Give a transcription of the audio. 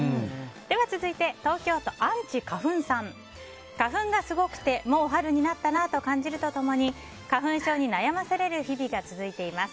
では、続いて東京都の方。花粉がすごくてもう春になったなと感じると共に花粉症に悩まされる日々が続いています。